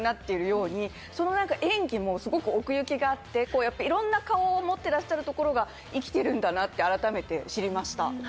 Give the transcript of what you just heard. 演技もすごい奥行きがあって、いろんな顔を持ってらっしゃるところが生きているんだなって改めて知りました。